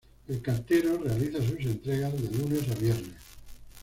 El cartero realiza sus entregas de lunes a viernes.